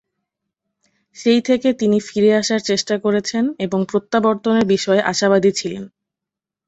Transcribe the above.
সেই থেকে তিনি ফিরে আসার চেষ্টা করেছেন এবং প্রত্যাবর্তনের বিষয়ে আশাবাদী ছিলেন।